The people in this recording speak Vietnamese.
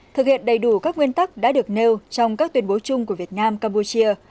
thực hiện đầy đủ các nguyên tắc đã được nêu trong các tuyên bố chung của việt nam campuchia